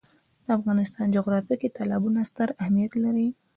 د افغانستان جغرافیه کې تالابونه ستر اهمیت لري.